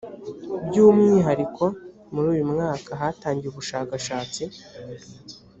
byu umwihariko muri uyu mwaka hatangiye ubushakashatsi